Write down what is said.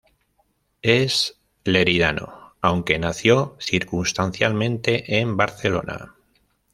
Es leridano aunque nació circunstancialmente en Barcelona.